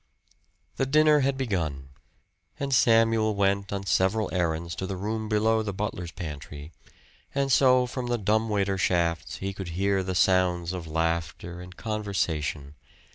The dinner had begun; and Samuel went on several errands to the room below the butler's pantry, and so from the dumb waiter shafts he could hear the sounds of laughter and conversation.